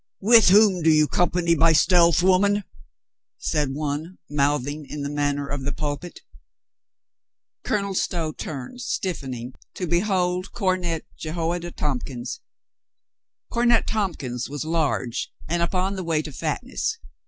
"With whom do you company by stealth, woman?" said one, mouthing in the manner of the pulpit COLONEL STOW AGAIN INSPIRED 65 Colonel Stow turned, stiffening to behold Cornet Jehoiada Tompkins. Cornet Tompkins was large and upon the way to fatness.